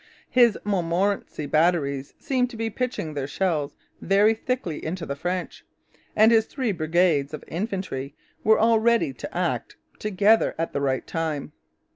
His Montmorency batteries seemed to be pitching their shells very thickly into the French, and his three brigades of infantry were all ready to act together at the right time.